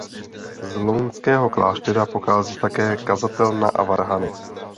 Z lounského kláštera pochází také kazatelna a varhany.